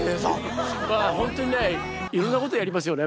まあ本当にねいろんなことやりますよね